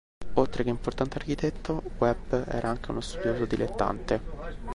Oltre che importante architetto, Webb era anche uno studioso dilettante.